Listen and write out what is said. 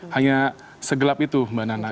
hanya segelap itu mbak nana